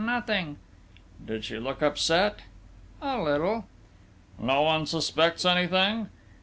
"Nothing." "Did she look upset?" "A little." "No one suspects anything?"